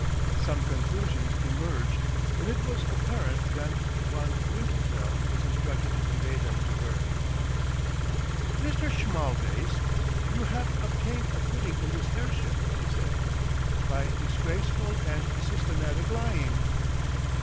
Some conclusions emerged, and it was apparent that Von Winterfeld was instructed to convey them to Bert. "Mr. Schmallvays, you haf obtained a footing in this airship," he said, "by disgraceful and systematic lying."